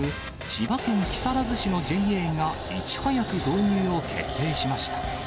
千葉県木更津市のＪＡが、いち早く導入を決定しました。